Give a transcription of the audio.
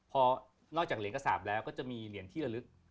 พอนอกจากเหรียญกระสาปแล้วก็จะมีเหรียญที่ระลึก